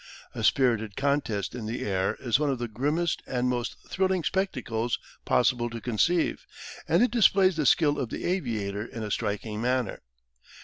A spirited contest in the air is one of the grimmest and most thrilling spectacles possible to conceive, and it displays the skill of the aviator in a striking manner.